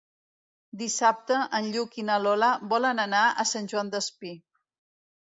Dissabte en Lluc i na Lola volen anar a Sant Joan Despí.